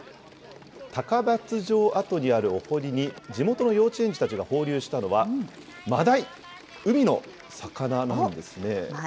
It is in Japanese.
高松城跡にあるお堀に、地元の幼稚園児たちが放流したのは、マダイ、海の魚なんですね。